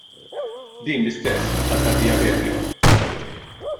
Din l-istess bħal tad-diabete.